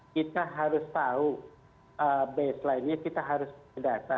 kita harus tahu baseline nya kita harus berdata